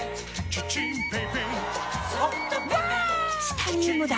チタニウムだ！